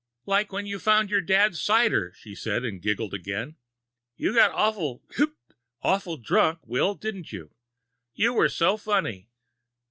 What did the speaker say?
"Like when you found your dad's cider," she said, and giggled again. "You got awful hp! awful drunk, Willy, din't you? You were so funny!"